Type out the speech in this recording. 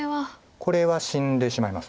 これは死んでしまいます。